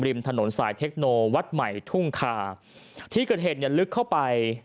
ริมถนนสายเทคโนวัดใหม่ทุ่งคาที่เกิดเหตุเนี่ยลึกเข้าไป